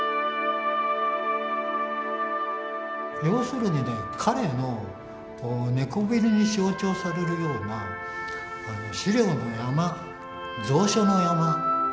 要するにね彼の猫ビルに象徴されるような資料の山蔵書の山。